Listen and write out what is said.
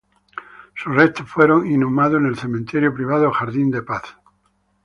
Sus restos fueron inhumados en el cementerio privado Jardín de Paz.